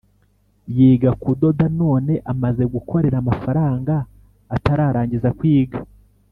yiga kudoda none amaze gukorera amafaranga atararangiza kwiga,